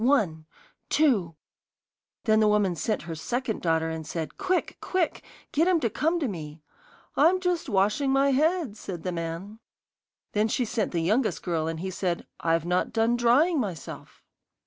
One two ' Then the woman sent her second daughter and said: 'Quick, quick, get him to come to me.' 'I'm just washing my head,' said the man. Then she sent the youngest girl, and he said: 'I've not done drying myself.